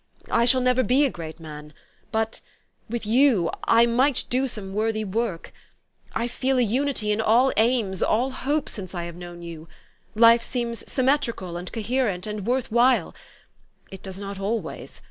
I shall never be a great man ; but with you I might do some worthy work. I feel a unity in all aims, all hope, since I have known you ; life seems symmetrical and coherent, and worth while. It does not always.